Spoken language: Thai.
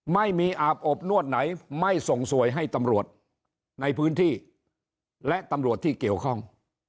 ไม่มีอาบอบนวดไหนไม่ส่งสวยให้ตำรวจในพื้นที่และตำรวจที่เกี่ยวข้อง